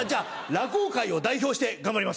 落語界を代表して頑張ります。